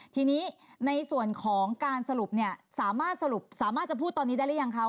ทีนี้ในส่วนของการสรุปเนี่ยสามารถสรุปสามารถจะพูดตอนนี้ได้หรือยังคะ